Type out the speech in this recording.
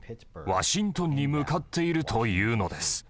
ワシントンに向かっているというのです。